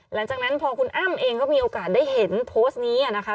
หลังจากนั้นพอคุณอ้ำเองก็มีโอกาสได้เห็นโพสต์นี้นะคะ